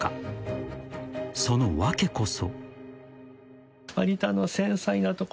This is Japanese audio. ［その訳こそ］